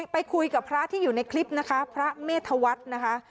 ไปคุยกับพระที่อยู่ในคลิปนะคะพระเมธวัฒน์นะคะ